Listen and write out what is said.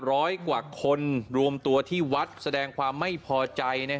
ร้อยกว่าคนรวมตัวที่วัดแสดงความไม่พอใจ